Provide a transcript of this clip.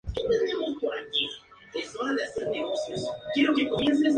Era un cargo nombrado por el monarca, sin independencia y no hereditario.